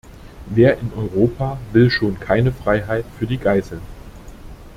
Wer in Europa will schon keine Freiheit für die Geiseln?